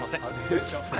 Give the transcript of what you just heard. えっ。